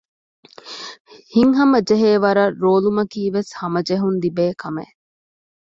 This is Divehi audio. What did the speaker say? ހިތްހަމަ ޖެހޭވަރަށް ރޯލުމަކީވެސް ހަމަޖެހުން ލިބޭކަމެއް